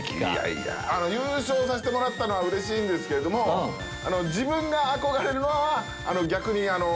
優勝させてもらったのはうれしいんですけれども自分が。